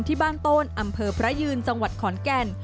ที่บ้านโตนอำเภอพระยืนจังหวัดขอนแก่น